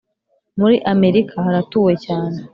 muri america haratuwe cyane